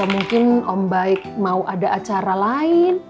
mungkin om baik mau ada acara lain